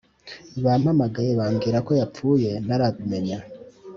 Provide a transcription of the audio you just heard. Bampamagaye bamwirako yapfuye ntarabimenya